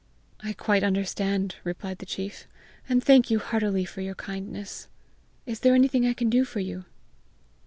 "I quite understand," replied the chief, "and thank you heartily for your kindness. Is there anything I can do for you?"